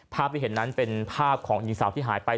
ภาพที่เห็นนั้นเป็นภาพของหญิงสาวที่หายไป